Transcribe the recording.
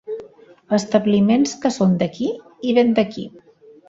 Establiments que són d'aquí i ben d'aquí.